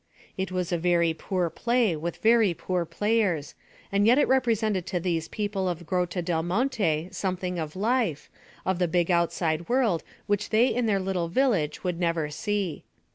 It was a very poor play with very poor players, and yet it represented to these people of Grotta del Monte something of life, of the big outside world which they in their little village would never see.